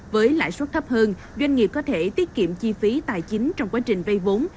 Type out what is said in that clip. với lãi suất thấp hơn doanh nghiệp có thể tiết kiệm chi phí tài chính trong quá trình vay vốn